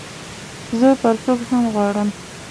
زه پرتوګ هم غواړم